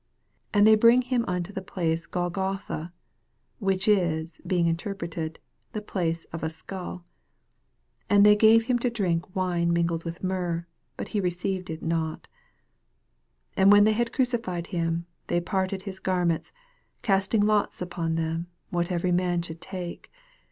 22 And they bring him unto the place Golgotha, which is, being inter preted, the place of a skull. 23 And they gave him to drink wine tniugled v, ith myrrh : but he received it no . 24 And when they had crucified him, they parted his garments, cast ing lots upon them, what every man should take.